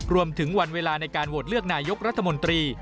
วันเวลาในการโหวตเลือกนายกรัฐมนตรี